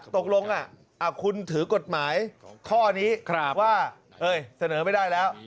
ตกลงคุณถือกฎหมายข้อนี้ว่าเสนอไม่ได้แล้ว